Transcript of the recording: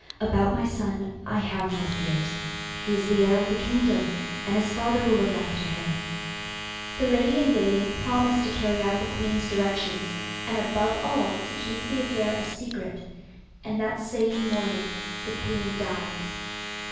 About my son, I have no fears. He is the heir of the kingdom, and his father will look after him.' The lady in waiting promised to carry out the queen's directions, and above all to keep the affair a secret. And that same morning the queen died.